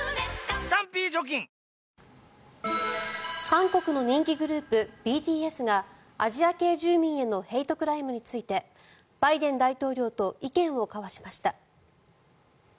韓国の人気グループＢＴＳがアジア系住民へのヘイトクライムについてバイデン大統領と意見を交わしました。